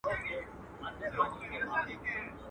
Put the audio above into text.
اوس به څوك لېږي ميرا ته غزلونه.